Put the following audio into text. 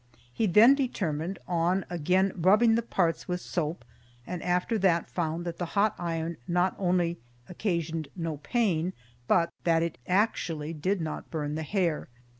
He then determined on again rubbing the parts with soap, and after that found that the hot iron not only occasioned no pain but that it actually did not burn the hair.